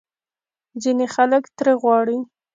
ځینې خلک ترې غواړي